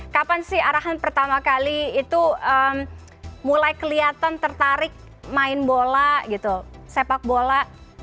kapan sih arahan pertama kali itu mulai kelihatan tertarik main bola gitu sepak bola